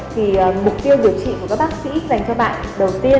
thì mục tiêu điều trị của các bác sĩ